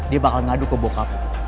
dia bakal ngaduk ke bokap lo